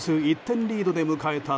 １点リードで迎えた